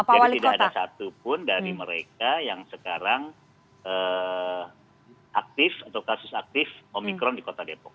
jadi tidak ada satupun dari mereka yang sekarang aktif atau kasus aktif omikron di kota depok